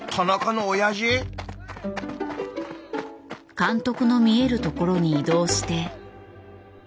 監督の見えるところに移動して。